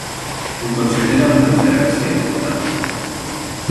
Ho considera una diferència important.